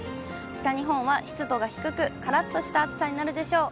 北日本は湿度が低く、からっとした暑さになるでしょう。